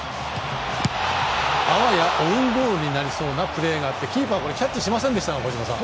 あわやオウンゴールになりそうなプレーがあってキーパーキャッチしませんでした。